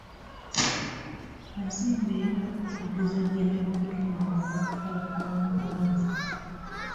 Kazimba era akubagizza General Katumba olw'okufa kwa muwala we.